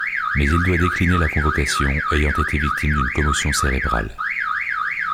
Mais il doit décliner la convocation, ayant été victime d'une commotion cérébrale.